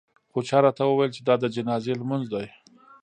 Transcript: خو چا راته وویل چې دا د جنازې لمونځ دی.